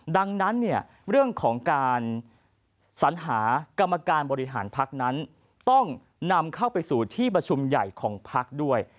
ดังนั้นเนี่ยเรื่องของการสัญหากรรมการบริหารพักนั้นต้องนำเข้าไปสู่ที่ประชุมใหญ่ของพักด้วย